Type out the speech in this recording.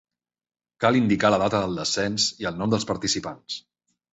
Cal indicar la data del descens i el nom dels participants.